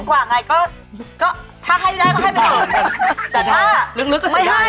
ตัวเราสำคัญกว่าไงก็ถ้าให้ได้ก็ให้ไปเลย